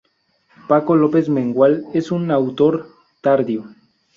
Paco López Mengual es un autor tardío.